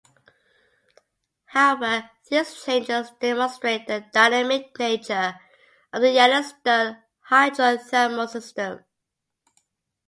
However, these changes demonstrate the dynamic nature of the Yellowstone hydrothermal system.